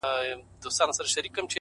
پر څنگه بلا واوښتې جاناناه سرگردانه!!